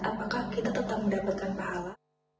apakah kita tetap mendapatkan pahala